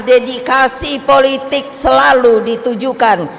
dedikasi politik selalu ditujukan